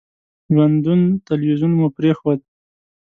ژوندون تلویزیون مو پرېښود.